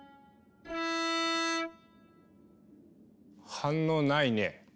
反応ないね。